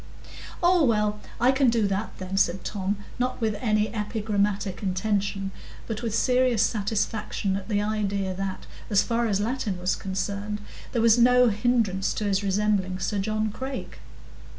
"Oh, well, I can do that, then," said Tom, not with any epigrammatic intention, but with serious satisfaction at the idea that, as far as Latin was concerned, there was no hindrance to his resembling Sir John Crake.